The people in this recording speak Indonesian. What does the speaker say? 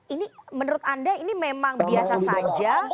ini menurut anda ini memang biasa saja